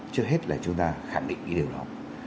trước hết là chúng ta khẳng định cái điều đó